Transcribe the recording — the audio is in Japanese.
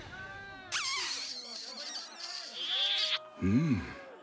うん。